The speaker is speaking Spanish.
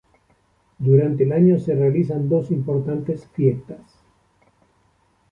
Durante el año se realizan dos importantes fiestas.